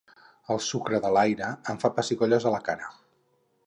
El sucre de l'aire em fa pessigolles a la cara.